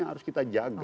yang harus kita jaga